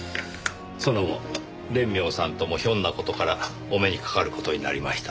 その後蓮妙さんともひょんな事からお目にかかる事になりました。